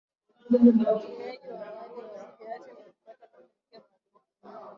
watumiaji wa awali wa opiati na kupata mafanikio madogo